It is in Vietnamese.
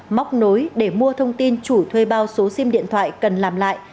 móc nối để mua thông tin chủ thuê bao số sim điện thoại cần làm lại